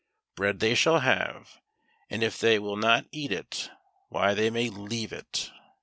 Bread they shall have, and if they will not eat it — why they may leave it."